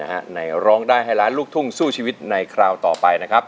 ในร้องได้ให้ล้านลูกทุ่งสู้ชีวิตในคราวต่อไปนะครับ